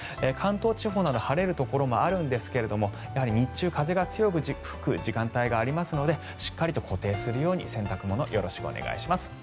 関東地方など晴れるところもあるんですがやはり日中風が強く吹く時間帯があるのでしっかりと固定するように洗濯物よろしくお願いします。